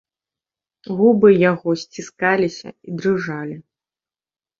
Губы яго сціскаліся і дрыжалі.